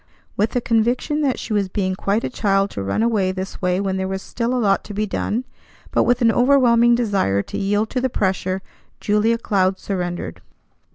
With a conviction that she was being quite a child to run away this way when there was still a lot to be done, but with an overwhelming desire to yield to the pressure, Julia Cloud surrendered.